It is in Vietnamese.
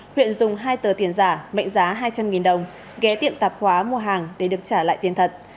huyện dùng hai tờ tiền giả mệnh giá hai trăm linh đồng ghé tiệm tạp hóa mua hàng để được trả lại tiền thật